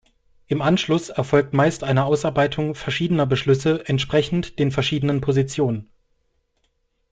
Im Anschluss erfolgt meist eine Ausarbeitung verschiedener Beschlüsse entsprechend den verschiedenen Positionen.